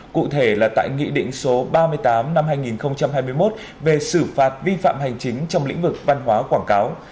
cụ thể là tại nghị định số ba mươi tám năm hai nghìn hai mươi một về xử phạt vi phạm hành chính trong lĩnh vực văn hóa quảng cáo